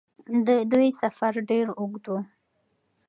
د دوی سفر ډېر اوږد و.